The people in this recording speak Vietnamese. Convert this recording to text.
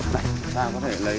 đây chúng ta có thể lấy